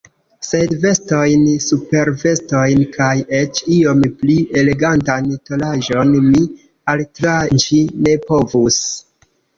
Sed vestojn, supervestojn kaj eĉ iom pli elegantan tolaĵon mi altranĉi ne povus.